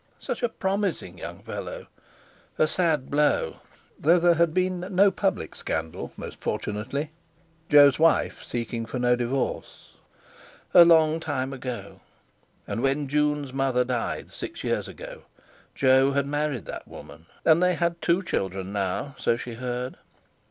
Such a promising young fellow! A sad blow, though there had been no public scandal, most fortunately, Jo's wife seeking for no divorce! A long time ago! And when Jun's mother died, six years ago, Jo had married that woman, and they had two children now, so she had heard.